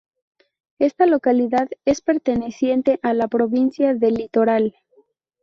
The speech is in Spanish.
Esta localidad es perteneciente a la provincia del Litoral.